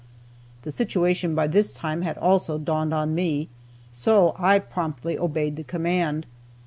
The situation by this time had also dawned on me, so I promptly obeyed the command.